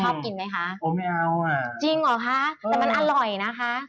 ชอบกินไหมคะจริงหรอคะแต่มันอร่อยนะคะ